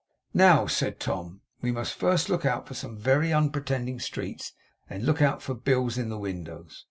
'Now,' said Tom, 'we must first look out for some very unpretending streets, and then look out for bills in the windows.